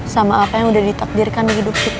sama apa yang udah ditakdirkan hidup kita